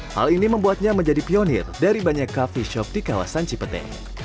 hal ini membuatnya menjadi pionir dari banyak coffee shop di kawasan cipete